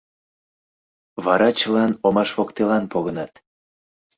Вара чылан омаш воктелан погынат.